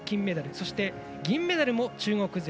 そして銀メダルも中国勢。